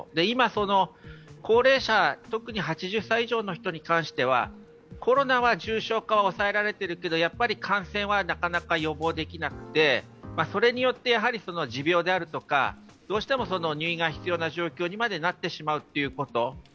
今、高齢者、特に８０歳以上の人に関してはコロナは重症化を抑えられているけれども、感染はなかなか予防できなくてそれによって持病であるとか、どうしても入院が必要な状況にまでなってしまうということ。